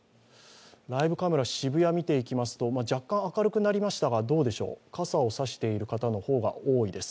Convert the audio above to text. ライブカメラ、渋谷を見ていきますと若干、明るくなりましたがどうでしょう、傘を差している方の方が多いです。